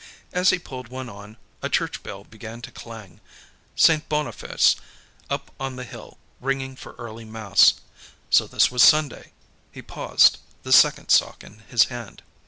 As he pulled one on, a church bell began to clang. St. Boniface, up on the hill, ringing for early Mass; so this was Sunday. He paused, the second sock in his hand.